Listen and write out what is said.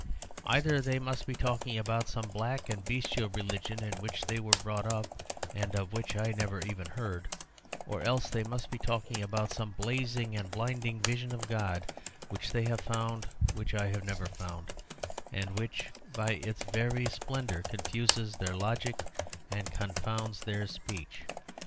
Either they must be talking about some black and bestial religion in which they were brought up, and of which I never even heard, or else they must be talking about some blazing and blinding vision of God which they have found, which I have never found, and which by its very splendour confuses their logic and confounds their speech.